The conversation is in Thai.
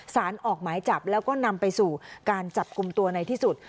สารออกหมายจับแล้วก็นำไปสู่การจับกลุ่มตัวในที่สุด